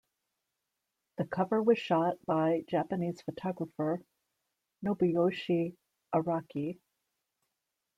The cover was shot by Japanese photographer Nobuyoshi Araki.